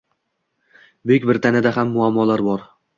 Buyuk Britaniyada ham muammolar bor.